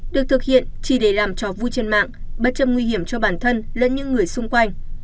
được thực hiện chỉ để làm trò vui trên mạng bất chấp nguy hiểm cho bản thân lẫn những người xung quanh